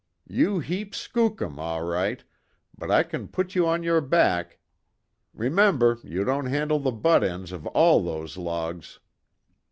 You're heap skookum, all right, but I can put you on your back! Remember you didn't handle the butt ends of all those logs!"